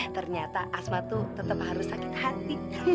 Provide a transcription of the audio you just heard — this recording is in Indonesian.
ternyata asma tuh tetap harus sakit hati